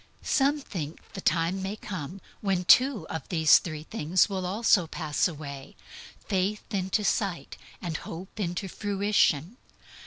Some think the time may come when two of these three things will also pass away faith into sight, hope into fruition.